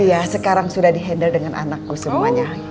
iya sekarang sudah di handle dengan anakku semuanya